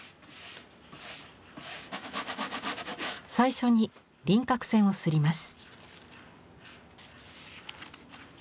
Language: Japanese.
最初に輪郭線を摺ります。